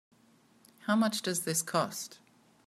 How much does this cost?